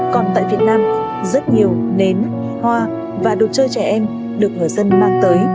còn tại việt nam rất nhiều nến hoa và đồ chơi trẻ em được người dân mang tới